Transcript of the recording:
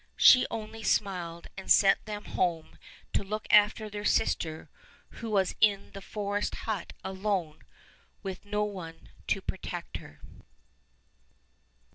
She only smiled and sent them home to look after their sister who was in the forest hut alone with no one to protect her.